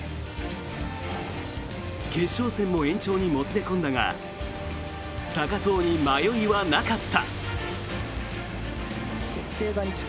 決勝戦も延長にもつれ込んだが高藤に迷いはなかった。